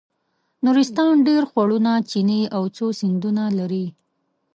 نورستان ډېر خوړونه چینې او څو سیندونه لري.